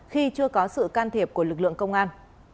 khi chưa có sự can thiệp của lực lượng công an